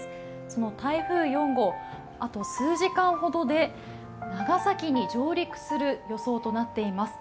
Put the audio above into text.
その台風４号、あと数時間ほどで長崎に上陸する予想となっています。